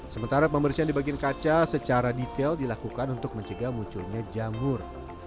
sementara pembersihan di bagian kaca secara detail dilakukan untuk mencegah munculnya jamur